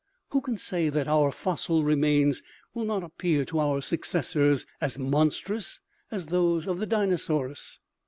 Who can say that our fossil remains will not appear to our successors as monstrous as those of the dinosaurus